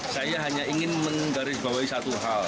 saya hanya ingin menggarisbawahi satu hal